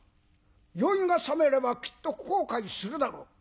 酔いがさめればきっと後悔するだろう。